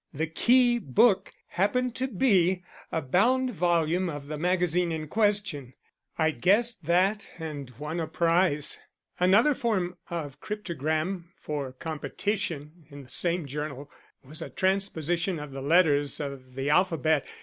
The key book happened to be a bound volume of the magazine in question: I guessed that, and won a prize. Another form of cryptogram for competition in the same journal was a transposition of the letters of the alphabet.